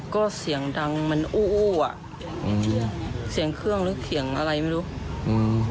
ก็เสียงดังมันอู้ออ่ะอืมเสียงเครื่องหรือเสียงอะไรไม่รู้อืม